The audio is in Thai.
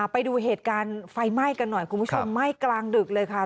ไปดูเหตุการณ์ไฟไหม้กันหน่อยคุณผู้ชมไหม้กลางดึกเลยค่ะ